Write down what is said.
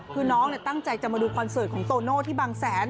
คือน้องตั้งใจจะมาดูคอนเสิร์ตของโตโน่ที่บางแสน